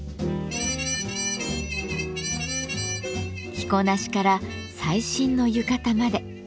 着こなしから最新の浴衣まで。